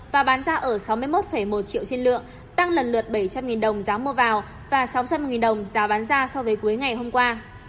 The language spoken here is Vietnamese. và bán ra ở sáu mươi một một triệu trên lượng tăng lần lượt bảy trăm linh đồng giá mua vào và sáu trăm linh đồng giá bán ra so với cuối ngày hôm qua